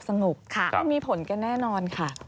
ไม่มีผลกันแน่นอนค่ะ